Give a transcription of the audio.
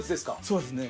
そうですね。